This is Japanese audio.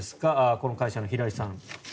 この会社の平井さん。